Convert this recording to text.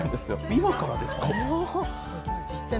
今からですか。